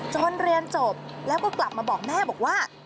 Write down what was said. เรียนจบแล้วก็กลับมาบอกแม่บอกว่า